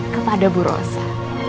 kepada bu rosa